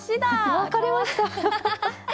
分かれました。